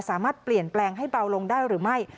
สามารถเปลี่ยนแปลงให้เบาลงได้หรือไม่